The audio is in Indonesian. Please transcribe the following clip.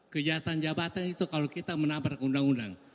kejahatan jabatan itu kalau kita menabrak undang undang